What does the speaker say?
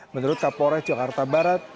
menurut kapolres jakarta barat